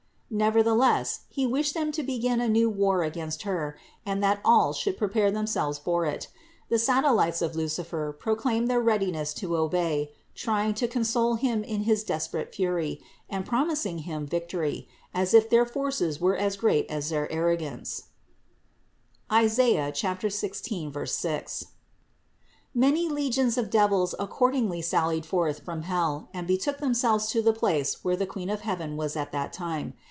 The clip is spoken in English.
Neverthe less, he wished them to begin a new war against Her, and that all should prepare themselves for it. The satellites of Lucifer proclaimed their readiness to obey, trying to console him in his desperate fury and promising him vic tory, as if their forces were as great as their arrogance (Is. 16, 6). 650. Many legions of devils accordingly sallied forth from hell and betook themselves to the place where the Queen of heaven was at that time.